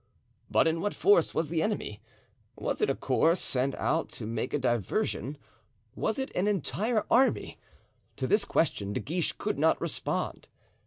But in what force was the enemy? Was it a corps sent out to make a diversion? Was it an entire army? To this question De Guiche could not respond.